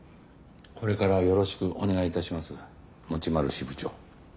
これからよろしくお願い致します持丸支部長。